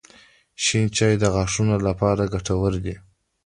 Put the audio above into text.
• شین چای د غاښونو لپاره ګټور دی.